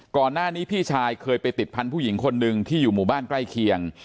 ก่อนหน้านี้พี่ชายเคยไปติดพันธุ์ผู้หญิงคนหนึ่งที่อยู่หมู่บ้านใกล้เคียง